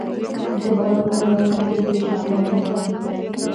زه پرون په یو نوي ګروپ کې شامل شوم.